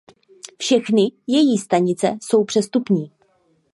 Všechny její stanice jsou přestupní.